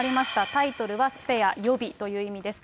タイトルはスペア、予備という意味です。